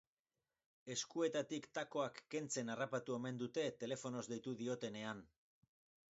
Eskuetatik takoak kentzen harrapatu omen dute telefonoz deitu diotenean.